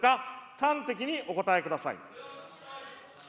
端的にお答えください。